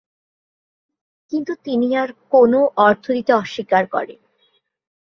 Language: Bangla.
কিন্তু তিনি আর কোনও অর্থ দিতে অস্বীকার করেন।